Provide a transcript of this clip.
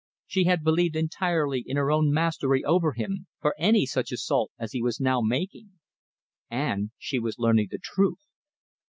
She had believed entirely in her own mastery over him, for any such assault as he was now making. And she was learning the truth.